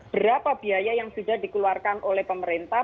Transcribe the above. berapa biaya yang sudah dikeluarkan oleh pemerintah